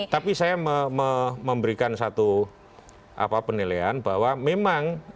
tapi saya memberikan satu penilaian bahwa memang